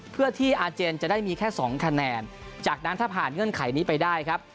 เพื่อที่อาเจนจะได้มีแค่สองคะแนนจากนั้นถ้าผ่านเงื่อนไขนี้ไปได้ครับ